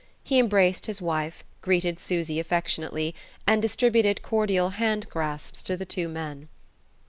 He embraced his wife, greeted Susy affectionately, and distributed cordial hand grasps to the two men.